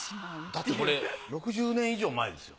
だってこれ６０年以上前ですよ